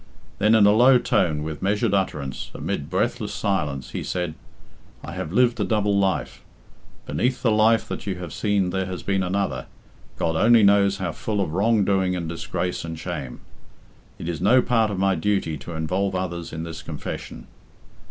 Then, in a low tone, with measured utterance, amid breathless silence, he said "I have lived a double life. Beneath the life that you have seen there has been another God only knows how full of wrongdoing and disgrace and shame. It is no part of my duty to involve others in this confession.